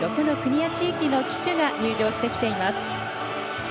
４６の国や地域の旗手が入場してきています。